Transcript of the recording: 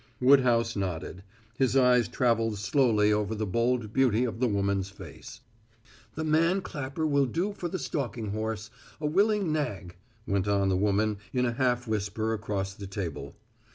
Woodhouse nodded. His eyes traveled slowly over the bold beauty of the woman's face. "The man Capper will do for the stalking horse a willing nag," went on the woman in a half whisper across the table.